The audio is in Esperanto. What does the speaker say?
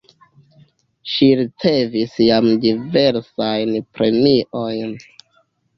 Ŝi ricevis jam diversajn premiojn.